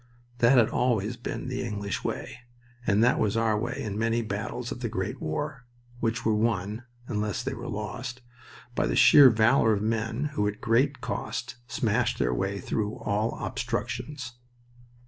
That had always been the English way and that was our way in many battles of the great war, which were won (unless they were lost) by the sheer valor of men who at great cost smashed their way through all obstructions.